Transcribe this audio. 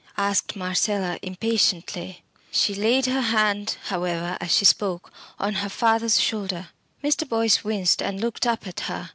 asked Marcella, impatiently. She laid her hand, however, as she spoke, on her father's shoulder. Mr. Boyce winced and looked up at her.